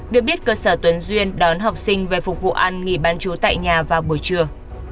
được biết cơ sở tuấn duyên đón học sinh về phục vụ ăn nghỉ bán chú tại nhà vào buổi trưa